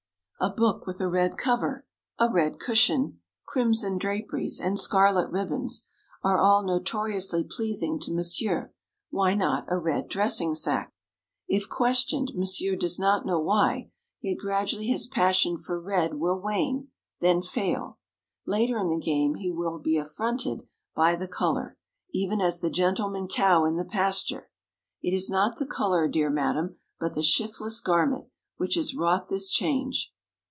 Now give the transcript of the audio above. A book with a red cover, a red cushion, crimson draperies, and scarlet ribbons, are all notoriously pleasing to monsieur why not a red dressing sack? If questioned, monsieur does not know why, yet gradually his passion for red will wane, then fail. Later in the game, he will be affronted by the colour, even as the gentleman cow in the pasture. It is not the colour, dear madame, but the shiftless garment, which has wrought this change.